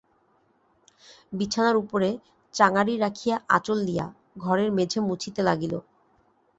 বিছানার উপরে চাঙারি রাখিয়া আঁচল দিয়া ঘরের মেঝে মুছিতে লাগিল।